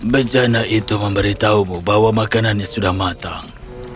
bencana itu memberitahumu bahwa makanannya sudah matang